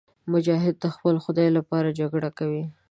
مجاهد د خپل خدای لپاره جګړه کوي.